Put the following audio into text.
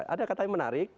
ada kata yang menarik